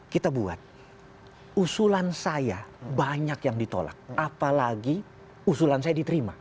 kita buat usulan saya banyak yang ditolak apalagi usulan saya diterima